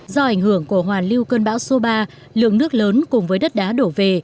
do ảnh hưởng của hoàn lưu cơn bão số ba lượng nước lớn cùng với đất đá đổ về